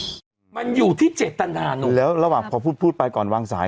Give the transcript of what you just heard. คุยคุยคุยมันอยู่ที่เจ็ดตนานุแล้วระหว่างพอพูดพูดไปก่อนวางสาย